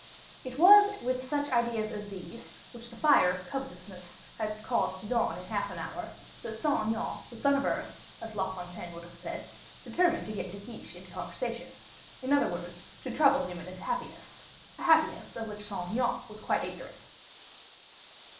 It was with such ideas as these, which the fire of covetousness had caused to dawn in half an hour, that Saint Aignan, the son of earth, as La Fontaine would have said, determined to get De Guiche into conversation: in other words, to trouble him in his happiness a happiness of which Saint Aignan was quite ignorant.